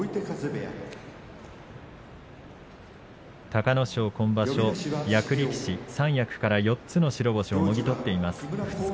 隆の勝、今場所、役力士三役から４つの白星を勝ち取っています。